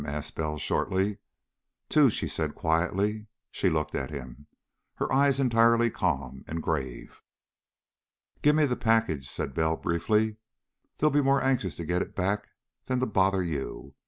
asked Bell shortly. "Two," she said quietly. She looked at him, her large eyes entirely calm and grave. "Give me the package," said Bell briefly. "They'll be more anxious to get it back than to bother you.